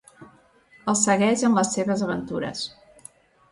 Els segueix en les seves aventures.